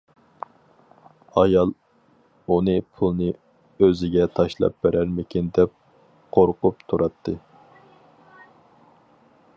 ئايال ئۇنى پۇلنى ئۆزىگە تاشلاپ بىرەرمىكىن دەپ قورقۇپ تۇراتتى.